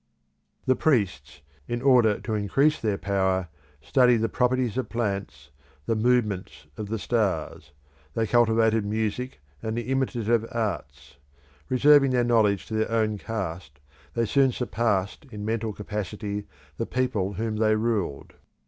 The priests, in order to increase their power, studied the properties of plants, the movements of the stars; they cultivated music and the imitative arts; reserving their knowledge to their own caste, they soon surpassed in mental capacity the people whom they ruled.